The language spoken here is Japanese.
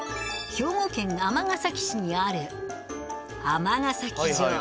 兵庫県尼崎市にある尼崎城。